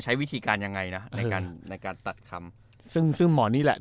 ใช้วิธีการยังไงนะในการในการตัดคำซึ่งซึ่งหมอนี่แหละ